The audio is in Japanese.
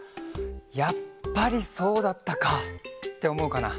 「やっぱりそうだったか！」っておもうかな。